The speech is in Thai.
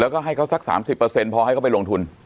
แล้วก็ให้เขาสัก๓๐พอให้เขาไปลงทุน